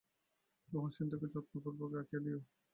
লোহার সিন্দুকে যত্নপূর্বক রাখিয়া দিয়ো।